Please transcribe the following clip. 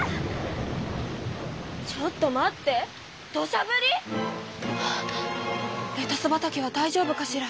ちょっと待って土しゃぶり⁉レタス畑はだいじょうぶかしら？